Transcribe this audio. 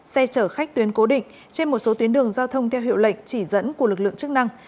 xe chở khách tuyến cố định trên một số tuyến đường giao thông theo hiệu lệch chỉ dẫn của lực lượng chức năng